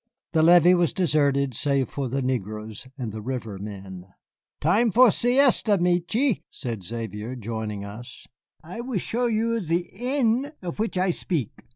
The levee was deserted save for the negroes and the river men. "Time for siesta, Michié," said Xavier, joining us; "I will show you ze inn of which I spik.